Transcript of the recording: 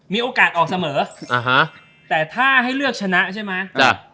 มีโอกาสออกเสมอแต่ถ้าให้เลือกชนะใช่ไหม